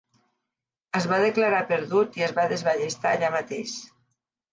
Es va declarar perdut i es va desballestar allà mateix.